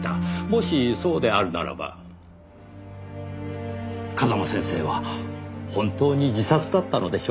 もしそうであるならば風間先生は本当に自殺だったのでしょうか？